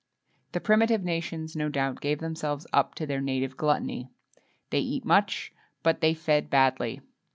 The primitive nations no doubt gave themselves up to their native gluttony. They eat much, but they fed badly.